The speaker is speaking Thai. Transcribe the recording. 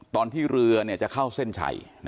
ตอนที่เรือจะเข้าเส้นชัย